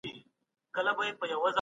د اوبو وهلي کاغذ ساتنه هنر دی.